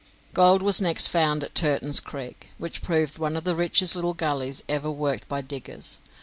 Gold was next found at Turton's Creek, which proved one of the richest little gullies ever worked by diggers.